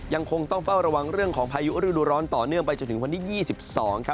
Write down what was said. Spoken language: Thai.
ยังคงต้องเฝ้าระวังเรื่องของพายุฤดูร้อนต่อเนื่องไปจนถึงวันที่๒๒ครับ